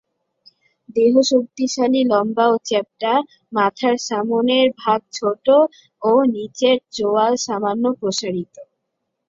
দেহ শক্তিশালী, লম্বা ও চ্যাপ্টা, মাথার সামনের ভাগ ছোট ও নিচের চোয়াল সামান্য প্রসারিত।